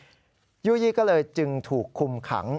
ยู่ยี่ก็เลยจึงถูกคุมขัง